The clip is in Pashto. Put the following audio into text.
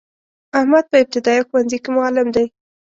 احمد په ابتدایه ښونځی کی معلم دی.